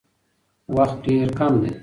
وخت ډېر کم دی.